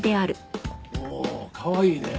おおかわいいね。